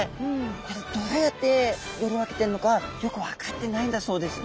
これどうやってより分けてるのかはよく分かってないんだそうです。